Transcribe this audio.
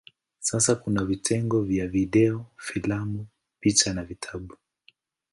Sasa kuna vitengo vya video, filamu, picha na vitabu.